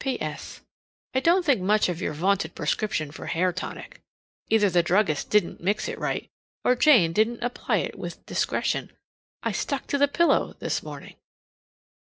P.S. I don't think much of your vaunted prescription for hair tonic. Either the druggist didn't mix it right, or Jane didn't apply it with discretion. I stuck to the pillow this morning.